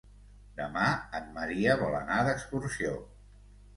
Demà en Maria vol anar d'excursió.